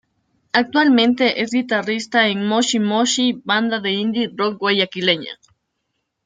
Actualmente es guitarrista en Moshi Moshi, banda de indie rock guayaquileña.